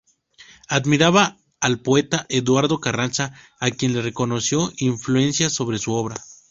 Admiraba al poeta Eduardo Carranza, a quien le reconocía influencia sobre su obra.